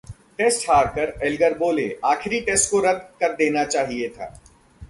test हारकर Elgar बोले- आखिरी टेस्ट को रद्द कर देना चाहिए था